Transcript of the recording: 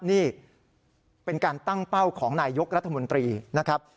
นี่เป็นการตั้งเป้าของนายยกรัฐมนตรีนะครับ